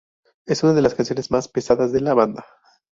Es una de las canciones más pesadas de la banda.